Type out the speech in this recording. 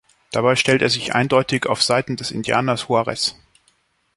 Dabei stellte er sich eindeutig auf Seiten des Indianers Juarez.